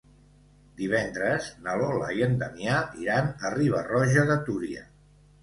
Divendres na Lola i en Damià iran a Riba-roja de Túria.